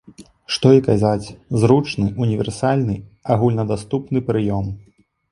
Што і казаць, зручны, універсальны, агульнадаступны прыём.